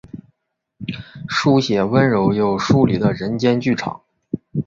书写温柔又疏离的人间剧场。